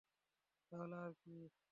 তাহলে আর কী।